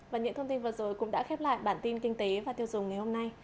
và những thông tin vừa rồi cũng đã khép lại bản tin kinh tế và tiêu dùng ngày hôm nay